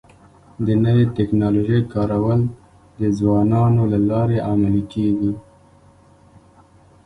د نوې ټکنالوژۍ کارول د ځوانانو له لارې عملي کيږي.